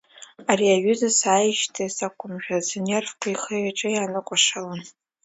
Ари аҩыза сааижьҭеи сақәымшәац, инервқәа ихы-иҿы ианыкәашалон.